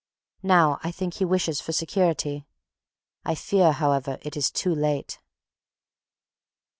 Now I think he wishes for security. I fear, however, it is too late.